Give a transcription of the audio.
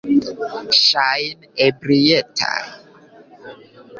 Ŝajne, ebrietaj.